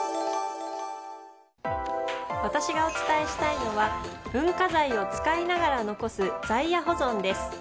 私がお伝えしたいのは文化財を使いながら残す在野保存です。